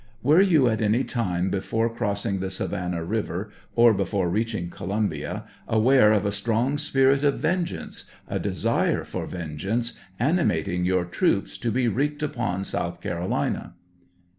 Were you at any time before crossing the Savan nah river, or before reaching Columbia, aware of a strong spirit of vengeance — a desire for vengeance — animating your troops to be wreaked upon South Carolina?